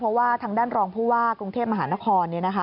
เพราะว่าทางด้านรองผู้ว่ากรุงเทพมหานคร